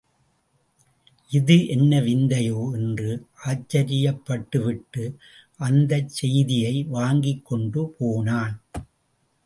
இது என்ன விந்தையோ? என்று ஆச்சரியப்பட்டுவிட்டு, அந்தச் செய்தியை வாங்கிக் கொண்டு போனான்.